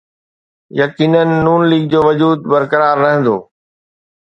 يقينن نون ليگ جو وجود برقرار رهندو.